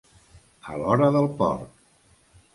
A l'hora del porc.